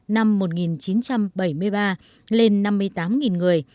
năm một nghìn chín trăm bảy mươi ba lên năm mươi tám người